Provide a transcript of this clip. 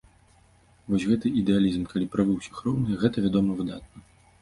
Вось гэты ідэалізм, калі правы ўсіх роўныя, гэта, вядома, выдатна.